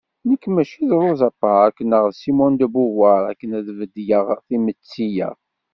Nekk mačči d Rosa Parks neɣ Simone de Beauvoir akken ad beddleɣ timetti-ya.